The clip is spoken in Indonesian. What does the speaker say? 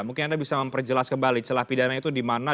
mungkin anda bisa memperjelas kembali celah pidana itu di mana